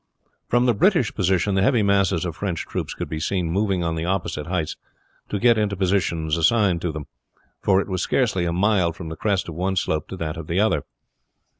From the British position the heavy masses of French troops could be seen moving on the opposite heights to get into the position assigned to them; for it was scarcely a mile from the crest of one slope to that of the other.